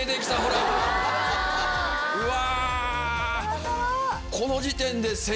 うわ！